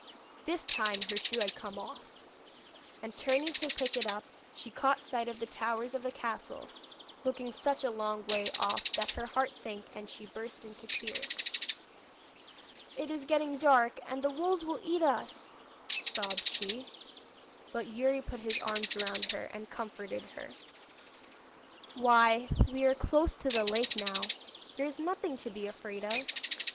This time her shoe had come off, and turning to pick it up she caught sight of the towers of the castle, looking such a long way off that her heart sank, and she burst into tears. 'It is getting dark, and the wolves will eat us,' sobbed she. But Youri put his arms round her and comforted her. 'Why we are close to the lake now. There is nothing to be afraid of!